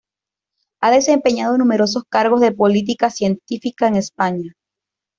Ha desempeñado numerosos cargos de política científica en España.